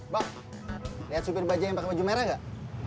bak liat supir baja yang pake baju merah gak